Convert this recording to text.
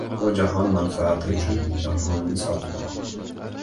— Bu jahon manfaati uchun jahonni sotma.